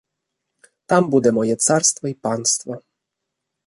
Там буде моє царство й панство.